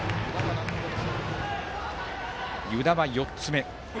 湯田は４つ目。